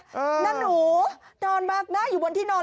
น้อนหนูโนนแบ๊บหน้าอยู่บนที่นอน